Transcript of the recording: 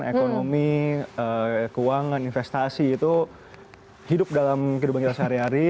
ekonomi keuangan investasi itu hidup dalam kehidupan kita sehari hari